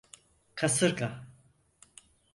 Kasırga!